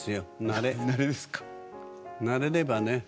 慣れればね